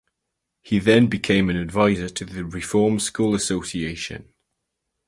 He then became an advisor to the Reformed School Association.